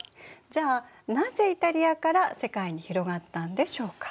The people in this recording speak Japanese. じゃあなぜイタリアから世界に広がったんでしょうか。